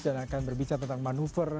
dan akan berbicara tentang manuver